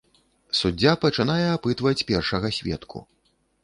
Суддзя пачынае апытваць першага сведку.